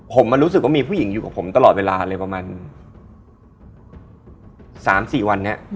ผมมารู้สึกว่ามีผู้หญิงอยู่กับผมตลอดเวลาเลยประมาณ๓๔วันนี้